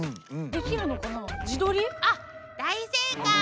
あっ大正解！